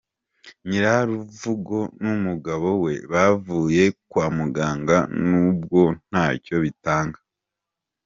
Nyiraruvugo n’umugabo we bavuye kwa muganga nubwo ntacyo bitanga.